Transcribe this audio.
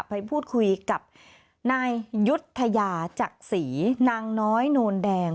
ไปพูดคุยกับนายยุทธยาจักษีนางน้อยโนนแดง